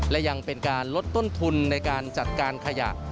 และยังเป็นการลดต้นทุนในการจัดการขยะ